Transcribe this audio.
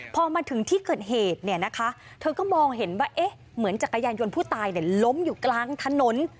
พอมาถึงที่เกิดเหตุเนี่ยนะคะเธอก็มองเห็นว่าเอ๊ะเหมือนจักรยานยนต์ผู้ตายล้มอยู่กลางถนน